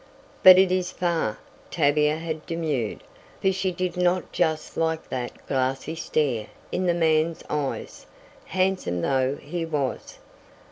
"But is it far?" Tavia had demurred, for she did not just like that glassy stare in the man's eyes, handsome though he was.